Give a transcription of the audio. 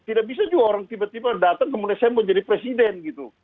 tidak bisa juga orang tiba tiba datang kemudian saya mau jadi presiden gitu